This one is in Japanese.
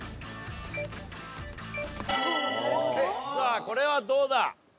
さあこれはどうだ？